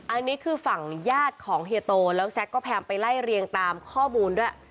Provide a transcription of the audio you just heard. อันนี้คือฝั่งญาติของเฮียโตแล้วแซ็กก็พยายามไปไล่เรียงตามข้อมูลด้วย